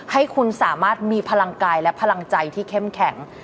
ให้คุณสามารถมีพลังกายและพลังใจที่เข้มแข็ง